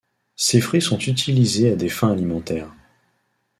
Ses fruits sont utilisés à des fins alimentaires.